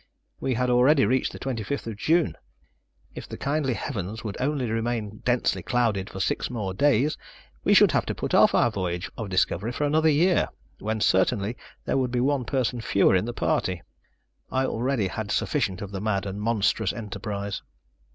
We had already reached the 25th June. If the kindly heavens would only remain densely clouded for six more days, we should have to put off our voyage of discovery for another year, when certainly there would be one person fewer in the party. I already had sufficient of the mad and monstrous enterprise.